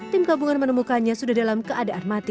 tim gabungan menemukannya sudah dalam keadaan mati